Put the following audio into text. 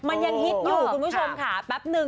มันยังฮิตอยู่คุณผู้ชมค่ะ